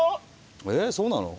えそうなの？